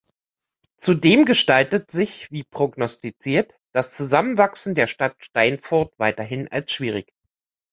Zudem gestaltet sich wie prognostiziert das Zusammenwachsen der Stadt Steinfurt weiterhin als schwierig.